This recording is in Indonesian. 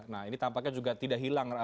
nah ini tampaknya juga tidak hilang